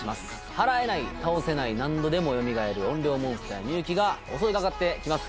はらえない倒せない何度でもよみがえる怨霊モンスター美雪が襲いかかってきます